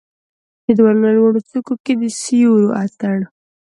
د د یوالونو لوړو څوکو کې د سیورو اټن